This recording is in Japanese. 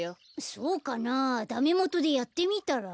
そうかなあダメもとでやってみたら？